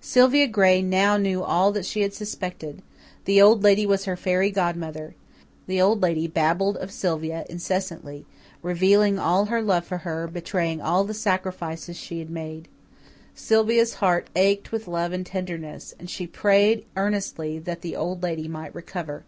Sylvia Gray now knew all that she had suspected the Old Lady was her fairy godmother. The Old Lady babbled of Sylvia incessantly, revealing all her love for her, betraying all the sacrifices she had made. Sylvia's heart ached with love and tenderness, and she prayed earnestly that the Old Lady might recover.